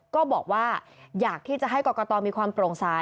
ก็บอกว่าอยากที่จะให้กรกตมีความโปร่งสาย